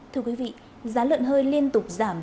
thưa quý vị giá lợn hơi liên tục giảm